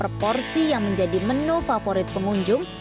rp tiga puluh empat per porsi yang menjadi menu favorit pengunjung